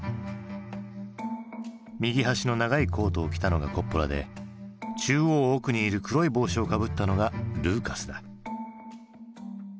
右端の長いコートを着たのがコッポラで中央奥にいる黒い帽子をかぶったのがルーカスだ。